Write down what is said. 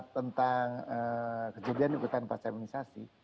tentang kejadian ikutan vaksinasi